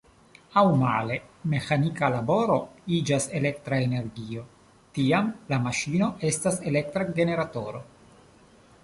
Aŭ male, meĥanika laboro iĝas elektra energio, tiam la maŝino estas elektra generatoro.